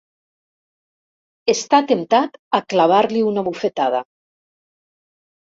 Està temptat a clavar-li una bufetada.